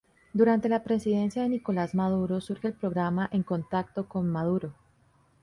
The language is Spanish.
Durante la presidencia de Nicolás Maduro surge el programa "En Contacto con Maduro".